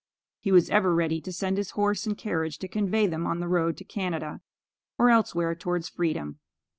He was ever ready to send his horse and carriage to convey them on the road to Canada, or elsewhere towards freedom.